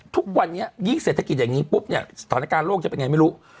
ทุกวันนี้ยิ่งเศรษฐกิจอย่างนี้ปุ๊บเนี่ยสถานการณ์โลกจะเป็นไงไม่รู้